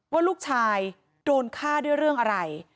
ว่าลูกชายโดนฆ่าด้วยเรื่องอะไร